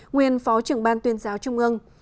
nguyên phó trưởng ban tuyên giáo trung ương